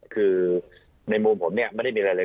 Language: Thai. คือในมุมผมเนี่ยไม่ได้มีอะไรเลย